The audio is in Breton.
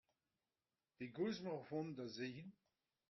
Pegoulz emaoc'h o vont da Zelhi ?